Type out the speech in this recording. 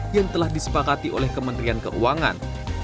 yang telah disepakati oleh kementerian keuangan